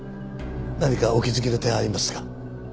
何かお気づきの点はありますか？